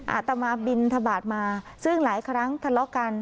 อาตมาบินทบาทมาซึ่งหลายครั้งทะเลาะกัน